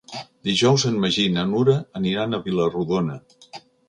Dijous en Magí i na Nura aniran a Vila-rodona.